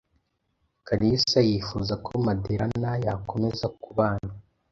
Kalisa yifuza ko Madalena yakomeza kubana.